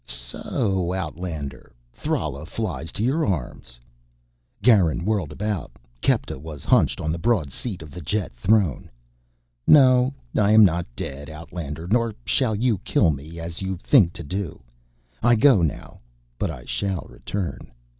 "So, Outlander, Thrala flies to your arms " Garin whirled about. Kepta was hunched on the broad seat of the jet throne. "No, I am not dead, Outlander nor shall you kill me, as you think to do. I go now, but I shall return.